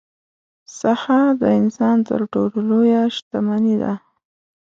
صحه د انسان تر ټولو لویه شتمني ده.